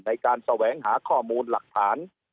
ในการแสวงหาข้อมูลหลักฐาน